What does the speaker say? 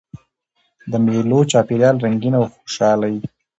د مېلو چاپېریال رنګین او خوشحاله يي.